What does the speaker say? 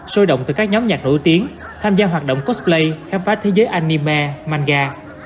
sôi động từ các nhóm nhạc nổi tiếng tham gia hoạt động cosplay khám phá thế giới anime manha